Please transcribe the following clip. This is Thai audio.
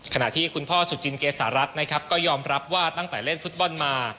ที่คุณพ่อสุจินเกษารัฐนะครับก็ยอมรับว่าตั้งแต่เล่นฟุตบอลมา